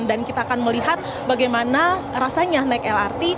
dan kita akan melihat bagaimana rasanya naik lrt